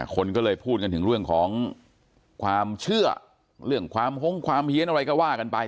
คนก็เลยพูดกันถึงเรื่องของความเชื่อเรื่องความหงความเฮียนอะไรก็ว่ากันไป